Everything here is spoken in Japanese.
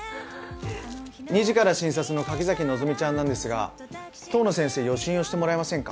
２時から診察の柿崎希ちゃんなんですが遠野先生予診をしてもらえませんか？